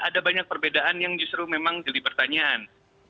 ada banyak perbedaan yang justru memang jadi pertanyaan